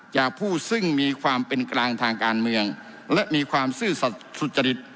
จากผู้ซึ่งมีความเป็นกลางทางการเมืองและมีความซื่อสัตว์สุจริต